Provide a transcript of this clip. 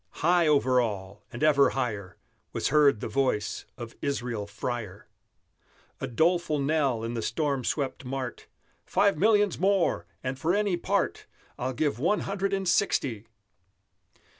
High over all, and ever higher, Was heard the voice of Israel Freyer, A doleful knell in the storm swept mart, "Five millions more! and for any part I'll give One Hundred and Sixty!"